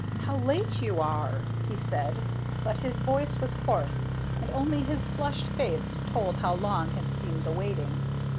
"How late you are," he said, but his voice was hoarse and only his flushed face told how long had seemed the waiting.